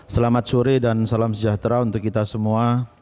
selamat sore dan salam sejahtera untuk kita semua